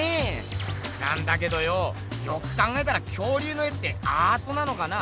なんだけどよよく考えたら恐竜の絵ってアートなのかな？